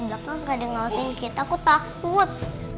enggak kan ga ada ngawasin kita aku takut